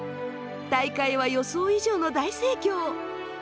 大会は予想以上の大盛況！